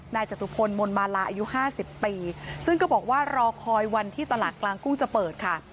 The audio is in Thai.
จตุพลมนมาลาอายุ๕๐ปีซึ่งก็บอกว่ารอคอยวันที่ตลาดกลางกุ้งจะเปิดค่ะ